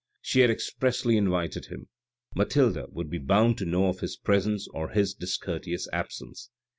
She had expressly invited him. Mathilde would be bound to know of his presence or his discourteous absence.